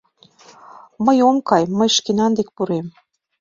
Мый ом кай, мый шкенан дек пурем.